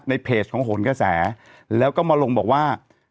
เพจของโหนกระแสแล้วก็มาลงบอกว่า